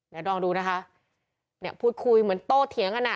เดี๋ยวลองดูนะคะเนี่ยพูดคุยเหมือนโต้เถียงกันอ่ะ